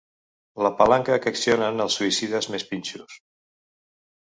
La palanca que accionen els suïcides més pinxos.